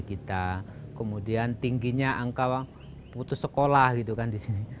kemudian tingginya angka putus sekolah gitu kan disini